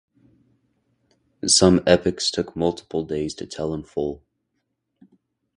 Some epics took multiple days to tell in full.